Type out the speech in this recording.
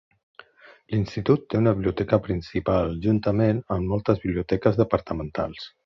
L'institut té una biblioteca principal juntament amb moltes biblioteques departamentals.